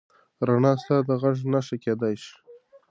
رڼا ستا د غږ نښه کېدی شي.